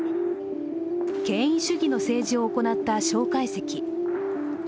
権威主義の政治を行った蒋介石。